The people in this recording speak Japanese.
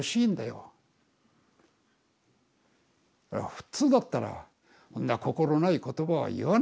普通だったらそんな心ない言葉は言わないんだよ。